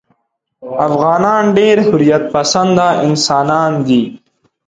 افغانان ډېر حریت پسنده انسانان دي.